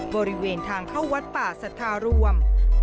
บริเวณทางเข้าวัดป่าสัทธารวม